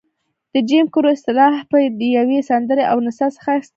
د جیم کرو اصطلاح د یوې سندرې او نڅا څخه اخیستل شوې وه.